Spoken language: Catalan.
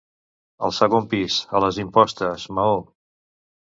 Al segon pis, a les impostes, maó.